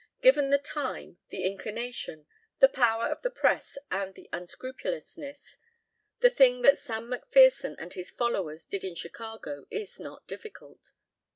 Given the time, the inclination, the power of the press, and the unscrupulousness, the thing that Sam McPherson and his followers did in Chicago in not difficult.